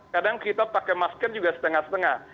kadang kita pakai masker juga setengah setengah